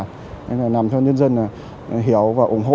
thế là làm cho nhân dân hiểu và ủng hộ